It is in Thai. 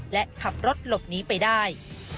และขับรถหลบหนีไปได้